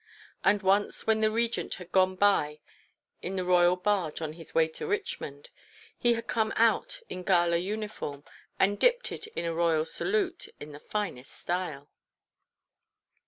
And once, when the Regent had gone by in the Royal barge on his way to Richmond, he had come out in gala uniform, and dipped it in a Royal salute in the finest style.